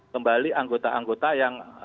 kembali anggota anggota yang